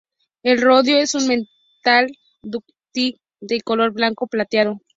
El rodio es un metal dúctil de color blanco plateado.